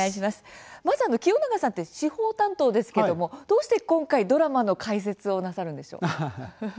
まず清永さんって司法担当ですけどもどうして今回ドラマの解説をなさるんでしょう。